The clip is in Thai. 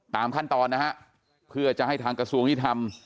ตามขั้นตอนนะฮะเพื่อจะให้ทางกระทรวงยุทธรรม